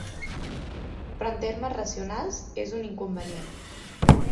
Però en termes racionals és un inconvenient.